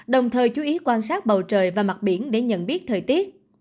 đồng thời chú ý quan sát bầu trời và mặt biển để nhận biết thời tiết